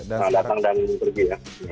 selamat datang dan pergi ya